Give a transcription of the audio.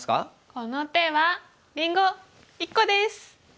この手はりんご１個です！